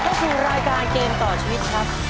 เข้าสู่รายการเกมต่อชีวิตครับ